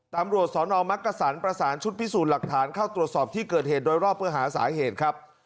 ตำรวจสนมักกษันประสานชุดพิสูจน์หลักฐานเข้าตรวจสอบที่เกิดเหตุโดยรอบเพื่อหาสาเหตุครับ